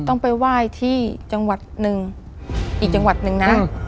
ต้องไปไหว้ที่จังหวัดหนึ่งอีกจังหวัดหนึ่งนะ